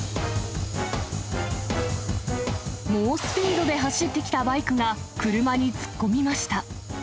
猛スピードで走ってきたバイクが、車に突っ込みました。